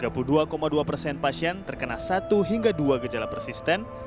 tiga puluh dua dua persen pasien terkena satu hingga dua gejala persisten